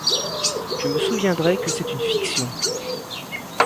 je me souviendrai que c'est une fiction.